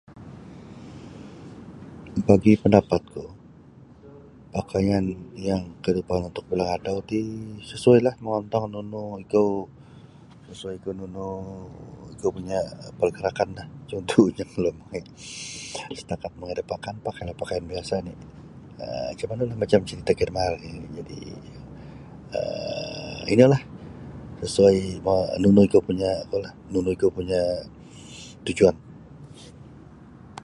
Bagi pandapat ku pakaian yang [unintelligible] untuk bilang adau ti sesuailah mongontong nunu ikau sesuai kau nunu ikau punya pergerakanlah contohnya kalau setakat mongoi da pakan pakailah pakaian biasa oni um macam manu lah macam cerita kinamaa nini jadi um ino lah sesuai kuo nunu ikau anu lah nunu ikau punya tujuan.